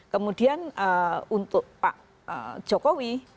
kemudian untuk pak jokowi